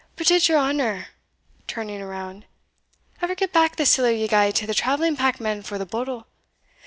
"But did your honour," turning round, "ever get back the siller ye gae to the travelling packman for the bodle?"